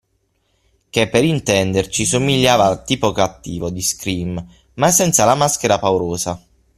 Che per intenderci somigliava al tipo cattivo di Scream, ma senza la maschera paurosa.